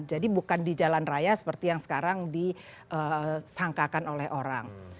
jadi bukan di jalan raya seperti yang sekarang disangkakan oleh orang